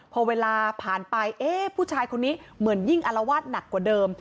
พอเวลาผ่านไปเอ๊ะผู้ชายคนนี้เหมือนยิ่งอารวาสหนักกว่าเดิม